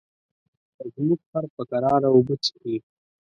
زموږ خر په کراره اوبه څښي.